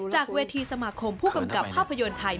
จากเวทีสมาคมผู้กำกับภาพยนตร์ไทย